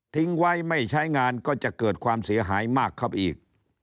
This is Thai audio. ทิ้งไว้ไม่ใช้งานก็จะเกิดความเสียหายมากเข้าไปอีก